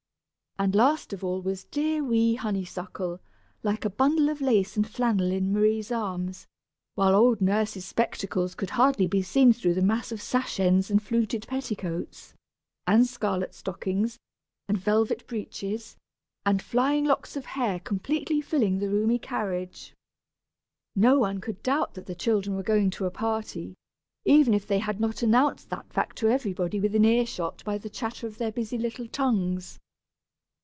And last of all was dear wee Honeysuckle, like a bundle of lace and flannel in Marie's arms; while old Nurse's spectacles could hardly be seen through the mass of sash ends and fluted petticoats, and scarlet stockings, and velvet breeches, and flying locks of hair completely filling the roomy carriage. No one could doubt that the children were going to a party, even if they had not announced that fact to everybody within ear shot by the chatter of their busy little tongues!